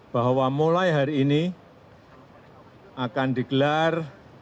bahwa mulai hari ini akan digelar